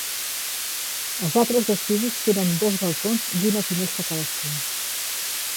Els altres dos pisos tenen dos balcons i una finestra cadascun.